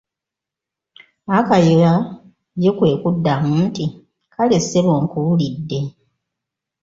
Akaya ye kwe kuddamu nti:"kaale ssebo nkuwulidde"